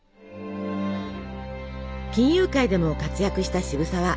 金融界でも活躍した渋沢。